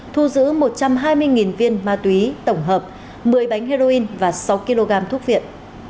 thu giữ một trăm hai mươi viên ma túy tổng hợp một mươi bánh heroin và sáu kg thuốc viện